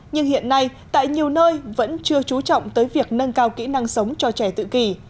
nhưng hiện nay tại nhiều nơi vẫn chưa trú trọng tới việc nâng cao kỹ năng sống cho trẻ tự kỷ